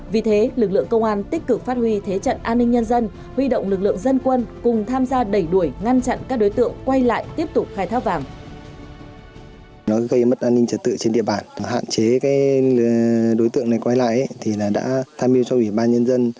vì thế lực lượng công an tích cực phát huy thế trận an ninh nhân dân huy động lực lượng dân quân cùng tham gia đẩy đuổi ngăn chặn các đối tượng quay lại tiếp tục khai thác vàng